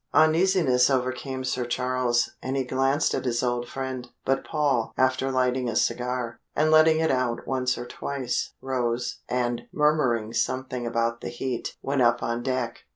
Uneasiness overcame Sir Charles, and he glanced at his old friend. But Paul, after lighting a cigar, and letting it out once or twice, rose, and murmuring something about the heat, went up on deck.